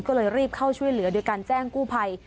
ก็เลยรีบเข้าช่วยเหลือโดยการแจ้งกู้ภัย